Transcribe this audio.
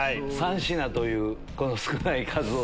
３品という少ない数を。